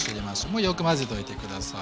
もうよく混ぜといて下さい。